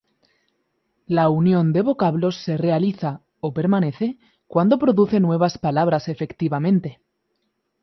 La unión de vocablos se realiza –o permanece– cuando produce nuevas palabras efectivamente.